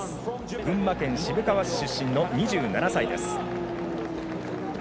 群馬県渋川市出身の２７歳です。